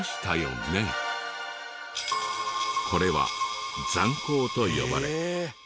これは残効と呼ばれ。